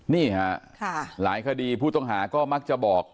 นี่ฮะหลายคดีผู้ต้องหาก็มักจะบอก